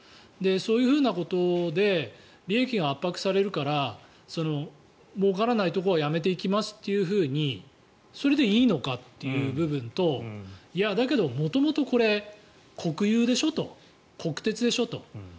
そういうふうなことで利益が圧迫されるからもうからないところをやめていきますというふうにそれでいいのかという部分といや、だけど元々、国有でしょ？と国鉄でしょと。